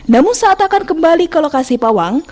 namun saat akan kembali ke lokasi pawang